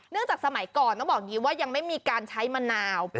เนื่องจากสมัยก่อนต้องบอกว่ายังไม่มีการใช้มะนาว